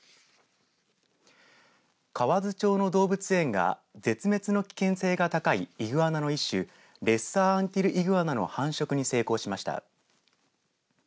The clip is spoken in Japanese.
河津町の東武線が絶滅の危険性が高いイグアナの一種レッサーアンティルイグアナの繁殖に成功しました。